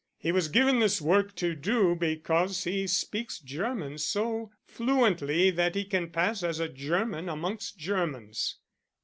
He was given this work to do because he speaks German so fluently that he can pass as a German amongst Germans.